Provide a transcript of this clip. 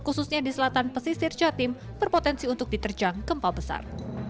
khususnya di selatan pesisir jatim berpotensi untuk diterjang gempa besar